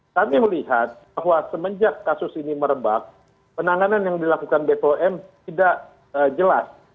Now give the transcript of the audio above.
kami melihat bahwa semenjak kasus ini merebak penanganan yang dilakukan bpom tidak jelas